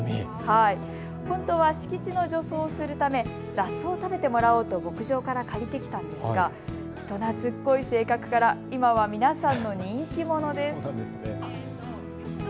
本当は敷地の除草するため雑草を食べてもらおうと牧場から借りてきたんですが人なつっこい性格から今は皆さんの人気者です。